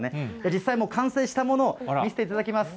実際もう完成したものを見せていただきます。